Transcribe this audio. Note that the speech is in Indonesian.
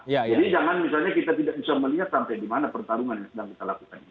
jadi jangan misalnya kita tidak bisa melihat sampai di mana pertarungan yang sedang kita lakukan